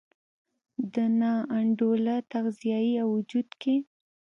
د نا انډوله تغذیې او وجود کې